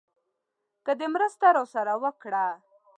که دې مرسته راسره وکړه.